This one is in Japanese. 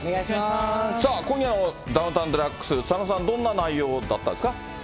さあ、今夜のダウンタウンＤＸ、佐野さん、どんな内容だったですか。